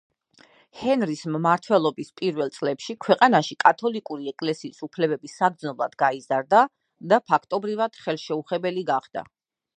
ჰენრის მმართველობის პირველ წლებში ქვეყანაში კათოლიკური ეკლესიის უფლებები საგრძნობლად გაიზარდა და ფაქტობრივად, ხელშეუხებელი გახდა.